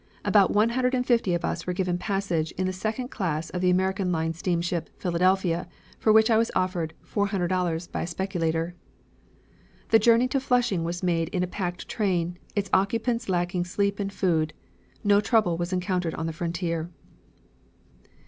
About one hundred and fifty of us were given passage in the second class of the American Line steamship Philadelphia, for which I was offered $400 by a speculator. "The journey to Flushing was made in a packed train, its occupants lacking sleep and food. No trouble was encountered on the frontier."